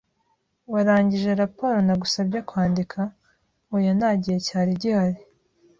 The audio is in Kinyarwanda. "Warangije raporo nagusabye kwandika?" "Oya. Nta gihe cyari gihari."